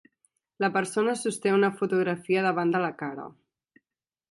La persona sosté una fotografia davant de la cara.